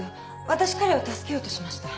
わたし彼を助けようとしました。